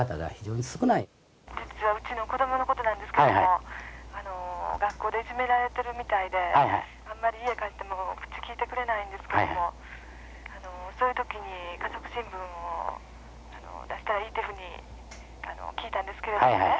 ☎うちの子どものことなんですけども学校でいじめられてるみたいであんまり家帰っても口利いてくれないんですけどもそういう時に「家族新聞」を出したらいいっていうふうに聞いたんですけれどもね